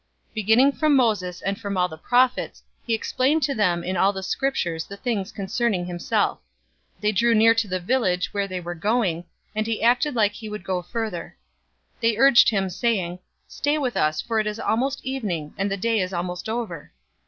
024:027 Beginning from Moses and from all the prophets, he explained to them in all the Scriptures the things concerning himself. 024:028 They drew near to the village, where they were going, and he acted like he would go further. 024:029 They urged him, saying, "Stay with us, for it is almost evening, and the day is almost over."